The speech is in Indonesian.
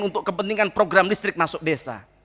untuk kepentingan program listrik masuk desa